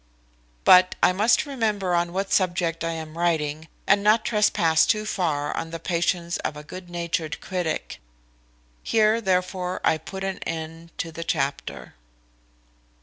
But I must remember on what subject I am writing, and not trespass too far on the patience of a good natured critic. Here, therefore, I put an end to the chapter.